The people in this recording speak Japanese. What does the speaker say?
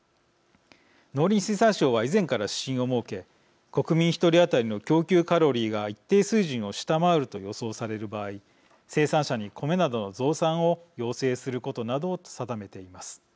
農林水産省は以前から指針を設け国民１人当たりの供給カロリーが一定水準を下回ると予想される場合生産者に、コメなどの増産を要請することなどを定めています。